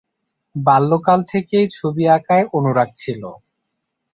বাল্যকাল থেকেই ছবি আঁকায় অনুরাগ ছিল।